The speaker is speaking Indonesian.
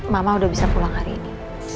mama udah bisa pulang hari ini